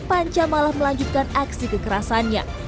panca malah melanjutkan aksi kekerasannya